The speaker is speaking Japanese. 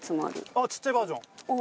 あっちっちゃいバージョン。